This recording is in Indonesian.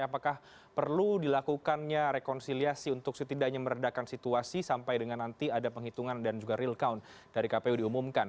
apakah perlu dilakukannya rekonsiliasi untuk setidaknya meredakan situasi sampai dengan nanti ada penghitungan dan juga real count dari kpu diumumkan